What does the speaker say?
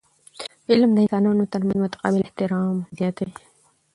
علم د انسانانو ترمنځ متقابل احترام زیاتوي.